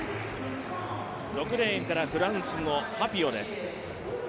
６レーンからフランスのハピオです。